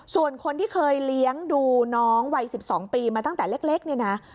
ส่วนคนที่เคยเลี้ยงดูน้องวัย๑๒ปีมาตั้งแต่เล็กเนี่ยนะ